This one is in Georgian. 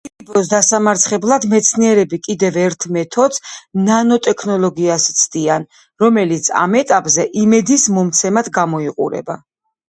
კიბოს დასამარცხებლად მეცნიერები კიდევ ერთ მეთოდს, ნანოტექნოლოგიას ცდიან, რომელიც ამ ეტაპზე იმედისმომცემად გამოიყურება.